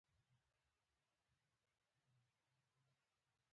باید د دوی په ژبه او نبض ولیکل شي.